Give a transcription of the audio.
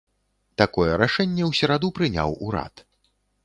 Такое рашэнне ў сераду прыняў урад.